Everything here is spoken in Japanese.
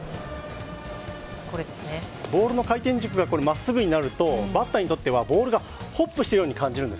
ボールの回転軸がまっすぐになるとバッターにとってはボールがホップしているように感じる。